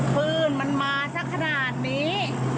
ปืนมันมาสักขนาดนี้